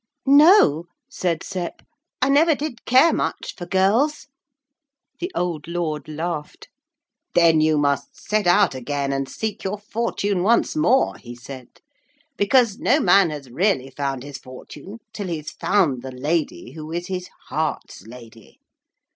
'No,' said Sep, 'I never did care much for girls.' The old lord laughed. 'Then you must set out again and seek your fortune once more,' he said, 'because no man has really found his fortune till he's found the lady who is his heart's lady.